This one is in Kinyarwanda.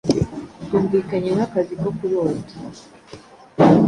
Byumvikanye nkakazi ko kurota.